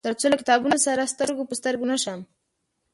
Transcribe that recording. تر څو له کتابونه سره سترګو په سترګو نشم.